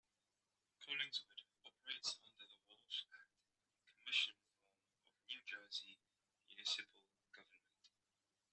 Collingswood operates under the Walsh Act commission form of New Jersey municipal government.